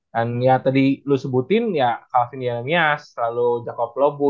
dan yang tadi lu sebutin ya calvin jeremias lalu jacob lobo